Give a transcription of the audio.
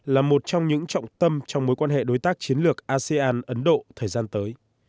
là một trong những trọng tâm trong mối quan hệ đối tác chiến lược asean ấn độ thời gian tới